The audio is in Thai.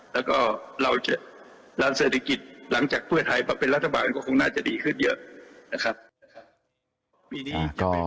แล้วก็เราจะดันเศรษฐกิจหลังจากเพื่อไทยมาเป็นรัฐบาลก็คงน่าจะดีขึ้นเยอะนะครับ